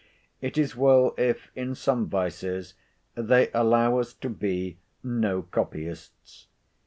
It is well if in some vices they allow us to be—no copyists.